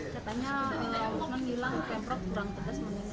katanya rapbd dki hilang pemprov kurang tetes